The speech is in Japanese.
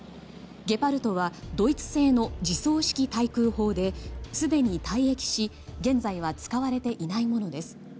「ゲパルト」はドイツ製の自走式対空砲ですでに退役し現在は使われていないものです。